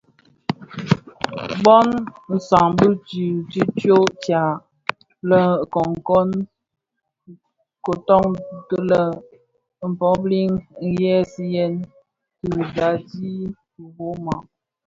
Bö san bi tishyo tya lè koton ti lè publins nghemziyèn ti daadi i Roma.